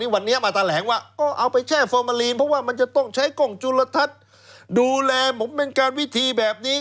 วันนี้มาแถลงว่าก็เอาไปแช่ฟอร์มาลีนเพราะว่ามันจะต้องใช้กล้องจุลทัศน์ดูแลผมเป็นการวิธีแบบนี้